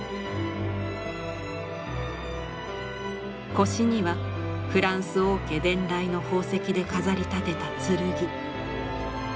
腰にはフランス王家伝来の宝石で飾り立てた剣。